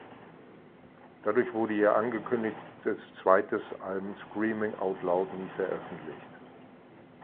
Dadurch wurde ihr angekündigtes zweites Album "Screaming out Loud" nie veröffentlicht.